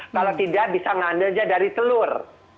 kalau tidak bisa ngambilnya dari telur